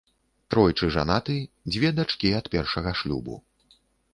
Тройчы жанаты, дзве дачкі ад першага шлюбу.